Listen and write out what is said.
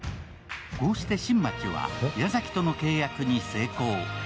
こうして新町は矢崎との契約に成功。